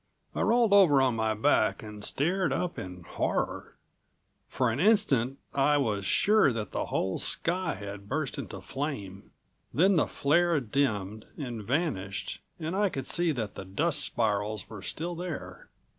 I rolled over on my back and stared up in horror. For an instant I was sure that the whole sky had burst into flame. Then the flare dimmed and vanished and I could see that the dust spirals were still there.